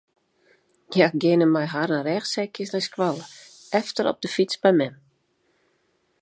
Hja geane mei harren rêchsekjes nei skoalle, efter op de fyts by mem.